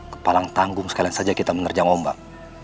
kepalang tanggung sekalian saja kita menerjang ombak